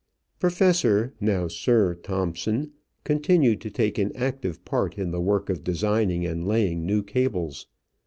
Professor, now Sir, Thomson continued to take an active part in the work of designing and laying new cables.